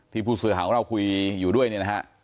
ผู้สื่อข่าวของเราคุยอยู่ด้วยเนี่ยนะฮะ